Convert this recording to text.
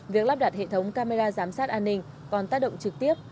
việc lắp đặt hệ thống camera giám sát an ninh còn tác động trực tiếp